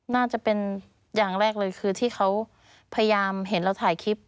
น่าจะเป็นอย่างแรกเลยคือที่เขาพยายามเห็นเราถ่ายคลิป